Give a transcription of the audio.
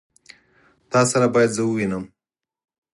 تا سره بايد زه ووينم.